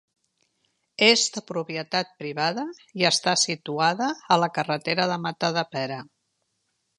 És de propietat privada i està situada a la carretera de Matadepera.